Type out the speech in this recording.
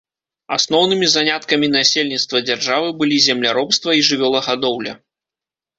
Асноўнымі заняткамі насельніцтва дзяржавы былі земляробства і жывёлагадоўля.